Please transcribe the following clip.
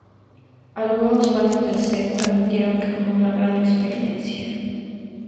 Algunos fanes de Zedd admitieron que fue una gran experiencia.